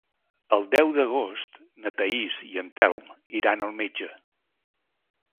El deu d'agost na Thaís i en Telm iran al metge.